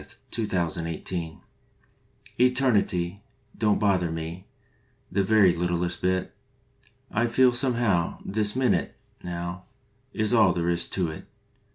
March Twenty second ALL IN ONE pTERNITY Don t bother me The very littlest bit. I feel somehow This minute, Now, Is all there is to it.